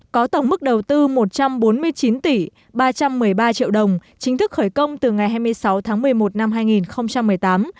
có tổng mức đầu tư một trăm bốn mươi chín tỷ ba trăm một mươi ba triệu đồng chính thức khởi công từ ngày hai mươi sáu tháng một mươi một năm hai nghìn một mươi tám